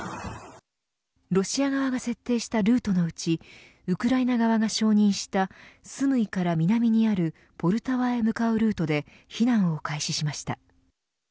ロシア側が設定したルートのうちウクライナ側が承認したスムイから南にあるポルタワへ向かうルートで避難を開始しました。